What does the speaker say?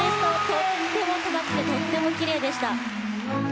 とても高くてとてもきれいでした。